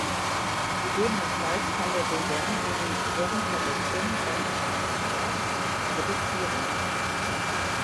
Gegebenenfalls kann der Doyen gegen deren Verletzung beim Empfangsstaat protestieren.